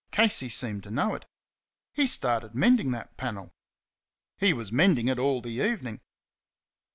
Casey seemed to know it. He started mending that panel. He was mending it all the evening.